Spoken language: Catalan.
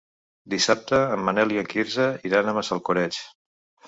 Dissabte en Manel i en Quirze iran a Massalcoreig.